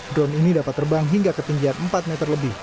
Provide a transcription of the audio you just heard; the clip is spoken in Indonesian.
drone ini dapat terbang hingga ketinggian empat meter lebih